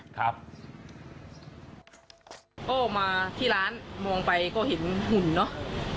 ก็มาที่ร้านมองไปก็เห็นหุ่นเนอะ